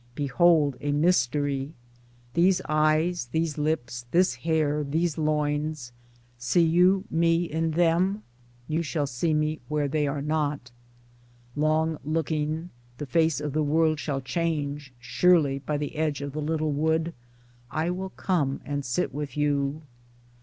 Behold a mystery !— these eyes, these lips, this hair, these loins — see you me in them, you shall see me where they are not. 96 Towards Democracy Long looking, the face of the world shall change — surely by the edge of the little wood I will come and sit with you.